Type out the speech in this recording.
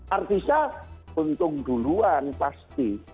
artisnya untung duluan pasti